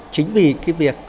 chính vì cái việc